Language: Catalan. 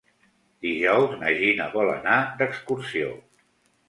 Dijous na Gina vol anar d'excursió.